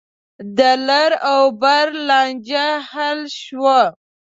د لر او بر لانجه حل شوه.